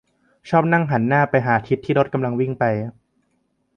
- ชอบนั่งหันหน้าไปหาทิศที่รถกำลังวิ่งไป